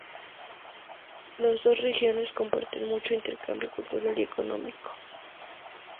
Las dos regiones comparten mucho intercambio cultural y económico.